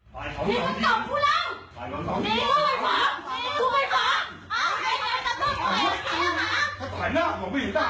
เพลง